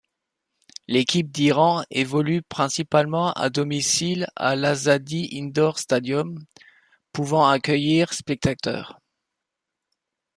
L'équipe d'Iran évolue principalement à domicile à l'Azadi Indoor Stadium, pouvant accueillir spectateurs.